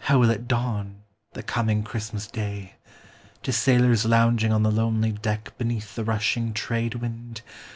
How will it dawn, the coming Christmas day ? To sailors lounging on the lonely deck Beneath the rushing trade wind